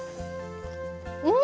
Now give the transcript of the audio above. うん！